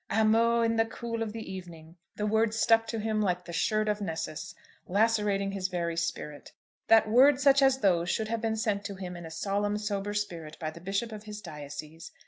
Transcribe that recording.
"'Amo' in the cool of the evening!" The words stuck to him like the shirt of Nessus, lacerating his very spirit. That words such as those should have been sent to him in a solemn sober spirit by the bishop of his diocese!